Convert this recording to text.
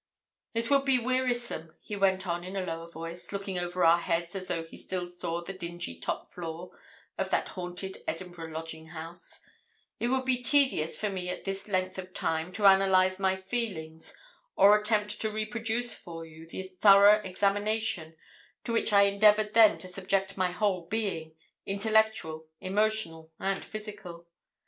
"It would be wearisome," he went on in a lower voice, looking over our heads as though he still saw the dingy top floor of that haunted Edinburgh lodging house; "it would be tedious for me at this length of time to analyse my feelings, or attempt to reproduce for you the thorough examination to which I endeavoured then to subject my whole being, intellectual, emotional, and physical.